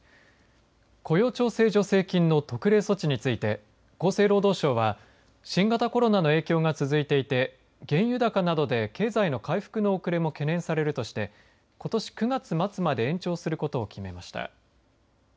雇用調整助成金の特例措置について厚生労働省は新型コロナの影響が続いていて原油高などで経済の回復の遅れも懸念されるとしてことし９月末まで延長することを決めました。